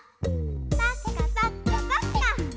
パッカパッカパッカ。